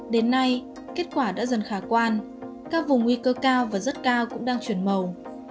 đến nay kết quả đã dần khả quan các vùng nguy cơ cao và rất cao cũng đang chuyển màu